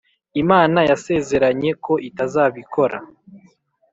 Imana yasezeranye ko itazabikora